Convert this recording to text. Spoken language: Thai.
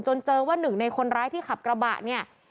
เจอว่าหนึ่งในคนร้ายที่ขับกระบะเนี่ย